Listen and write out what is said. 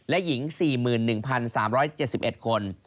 และหญิง๔๑๓๗๑คน